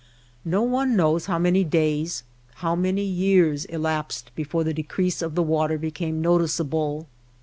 No one knows how many days, how many years, elapsed before the decrease of the water became noticeable.